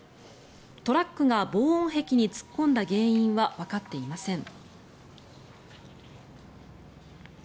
トラックが防音壁に突っ込んだ原因はわかっていません。